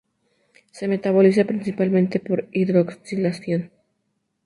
Se metaboliza principalmente por hidroxilación.